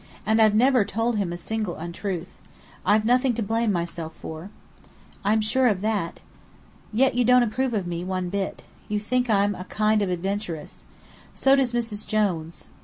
And I've never told him a single untruth. I've nothing to blame myself for." "I'm sure of that." "Yet you don't approve of me one bit. You think I'm a kind of adventuress. So does Mrs. Jones.